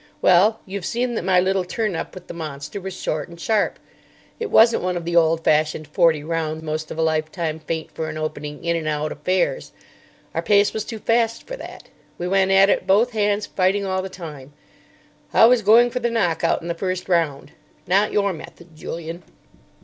"Well, you've seen that my little turn up with the monster was short and sharp. It wasn't one of the old fashioned, forty round, most of a lifetime, feint for an opening, in and out affairs. Our pace was too fast for that. We went at it both hands, fighting all the time. I was going for the knock out in the first round. Not your method, Julian."